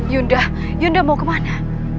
yunda yunda mau kemana